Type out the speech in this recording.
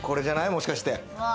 もしかして。